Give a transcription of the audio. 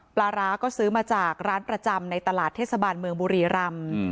ปลาร้าก็ซื้อมาจากร้านประจำในตลาดเทศบาลเมืองบุรีรำ